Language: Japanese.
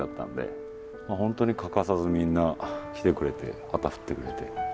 まあ本当に欠かさずみんな来てくれて旗振ってくれて。